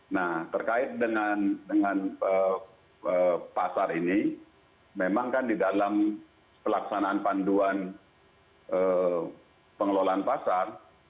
nah terkait dengan pasar ini memang kan di dalam pelaksanaan panduan pengelolaan pasar